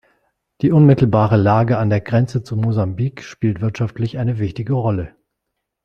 Die unmittelbare Lage an der Grenze zu Mosambik spielt wirtschaftlich eine wichtige Rolle.